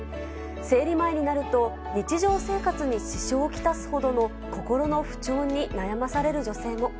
生理前になると、日常生活に支障を来すほどの、心の不調に悩まされる女性も。